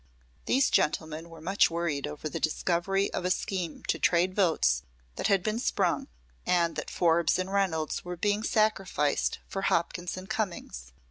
These gentlemen were much worried over the discovery of a scheme to trade votes that had been sprung, and that Forbes and Reynolds were being sacrificed for Hopkins and Cummings.